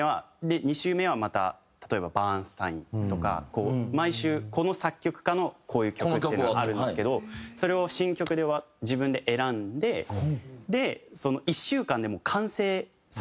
で２週目はまた例えばバーンスタインとか毎週この作曲家のこういう曲っていうのがあるんですけどそれを新曲で自分で選んでで１週間でもう完成させなきゃいけない。